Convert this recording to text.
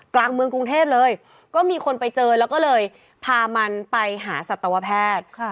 กลางเมืองกรุงเทพเลยก็มีคนไปเจอแล้วก็เลยพามันไปหาสัตวแพทย์